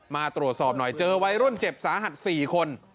มาตรวจสอบหน่อยเจอวัยรุ่นเจ็บสาหัส๔คน